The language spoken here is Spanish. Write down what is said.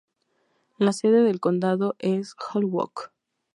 La sede del condado es Holyoke.